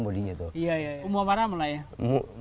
iya iya umur berapa mulai